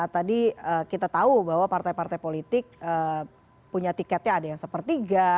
tadi kita tahu bahwa partai partai politik punya tiketnya ada yang sepertiga